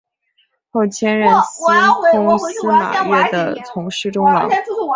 后迁任司空司马越的从事中郎。